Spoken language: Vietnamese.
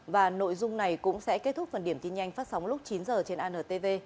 và nội dung này cũng sẽ kết thúc phần điểm tin nhanh phát sóng lúc chín h trên antv